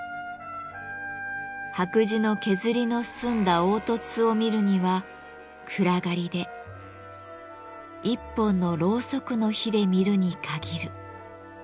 「白磁の削りの済んだ凹凸を見るには暗がりで一本のろうそくの火で見るに限る」。